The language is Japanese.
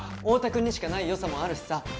オオタ君にしかないよさもあるしさ。